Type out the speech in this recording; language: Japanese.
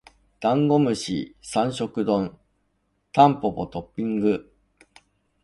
ダンゴムシ三食丼タンポポトッピング